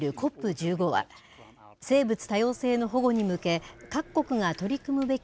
１５は、生物多様性の保護に向け、各国が取り組むべき、